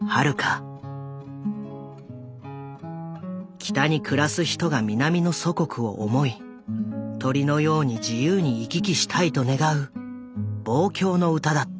北に暮らす人が南の祖国を思い鳥のように自由に行き来したいと願う望郷の歌だった。